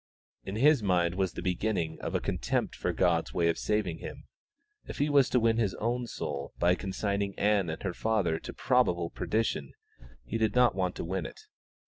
In his mind was the beginning of a contempt for God's way of saving him. If he was to win his own soul by consigning Ann and her father to probable perdition, he did not want to win it.